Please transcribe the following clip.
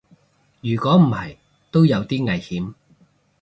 如果唔係都有啲危險